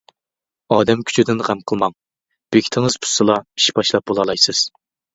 ئادەم كۈچىدىن غەم قىلماڭ، بېكىتىڭىز پۈتسىلا ئىش باشلاپ بولالايسىز.